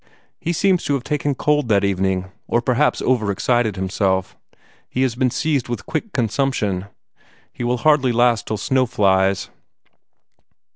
He seems to have taken cold that evening, or perhaps over exerted himself. He has been seized with quick consumption. He will hardly last till snow flies."